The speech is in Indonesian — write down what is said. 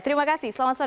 terima kasih selamat sore